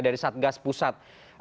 dari satgas pusat